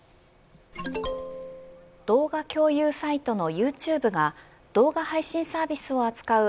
動画共有サイトのユーチューブが動画配信サービスを扱う